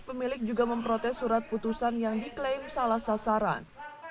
pemilik juga memprotes surat putusan yang diklaim salah sasaran